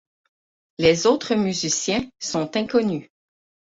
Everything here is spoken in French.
Les autres musiciens sont inconnus.